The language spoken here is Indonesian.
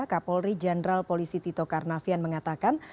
kapolri jenderal polisi tito karnavian mengatakan